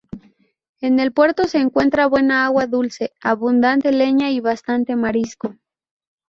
En el puerto se encuentra buena agua dulce, abundante leña y bastante marisco.